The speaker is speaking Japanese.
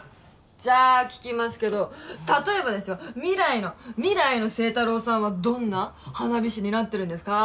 じゃあ聞きますけど例えばですよ未来の未来の星太郎さんはどんな花火師になってるんですか？